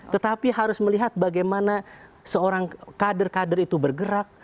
tetapi harus melihat bagaimana seorang kader kader itu bergerak